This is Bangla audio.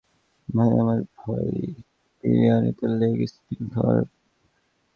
ভাইয়া, আমার ভয়-- বিরিয়ানিতে লেগ-পিস পাওয়া ভাগ্যের ব্যাপার।